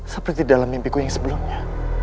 seperti dalam mimpiku yang sebelumnya